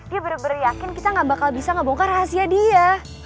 dia benar benar yakin kita gak bakal bisa ngebongkar rahasia dia